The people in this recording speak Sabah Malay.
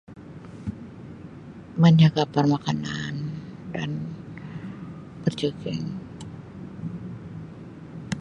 Menjaga pemakanan dan berjogging.